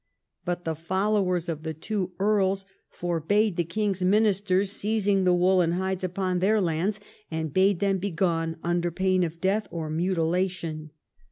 But the followers of the two earls forbade the king's ministers seizing the wool and hides upon their lands, and bade them begone under pain of death or mutilation.